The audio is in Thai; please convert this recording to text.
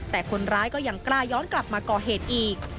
แต่คนร้ายก็ยังกล้าย้อนกลับมาก่อเหตุอีก